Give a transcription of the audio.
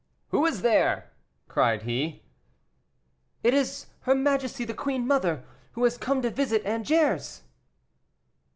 "Who is there?" cried he. "It is her majesty the queen mother, who has come to visit Angers."